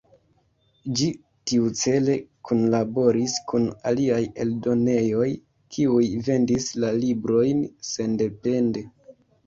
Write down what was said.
Ĝi tiucele kunlaboris kun aliaj eldonejoj kiuj vendis la librojn sendepende.